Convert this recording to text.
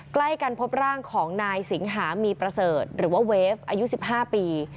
ใกล้กันพบร่างของนายสิงหามีประเสริฐหรือว่าเวฟอายุ๑๕ปี